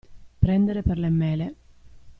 Prendere per le mele.